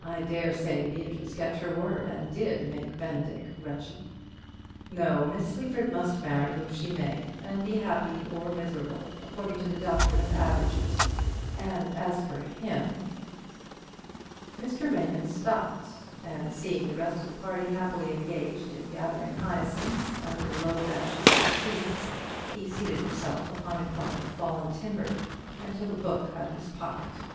I dare say Beatrice kept her word, and did make Benedick wretched. No; Miss Sleaford must marry whom she may, and be happy or miserable, according to the doctrine of averages; and as for him " Mr. Raymond stopped; and seeing the rest of the party happily engaged in gathering hyacinths under the low branches of the trees, he seated himself upon a clump of fallen timber, and took a book out of his pocket.